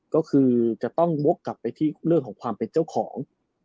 ก็คือจะต้องโวกจากไปที่ความเป็นเจ้าของ